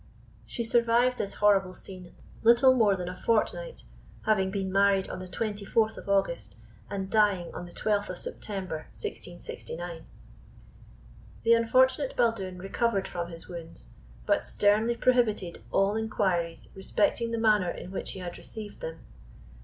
She survived this horrible scene little more than a fortnight, having been married on the 24th of August, and dying on the 12th of September 1669. The unfortunate Baldoon recovered from his wounds, but sternly prohibited all inquiries respecting the manner in which he had received them.